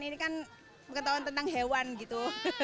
ini kan pengetahuan tentang hewan gitu